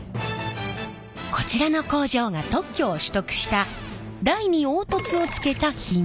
こちらの工場が特許を取得した台に凹凸をつけたヒゲ台。